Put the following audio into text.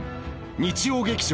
日曜劇場